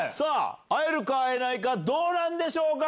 会えるか会えないかどうなんでしょうか？